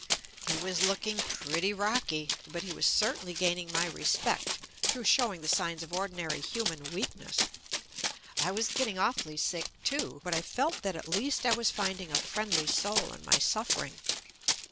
He was looking pretty rocky, but he was cer tainly gaining my respect through showing the signs of ordinary human weakness. I was get ting awfully sick, too, but I felt that at least I was finding a friendly soul in my suffering.